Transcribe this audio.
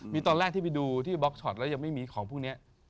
มีตอนแรกที่ไปดูที่บล็อกช็อตแล้วยังไม่มีของพวกนี้